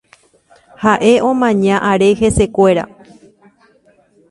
Ha'e omaña are hesekuéra.